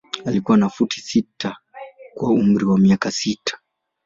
Alikuwa na futi sita kwa umri wa miaka sita.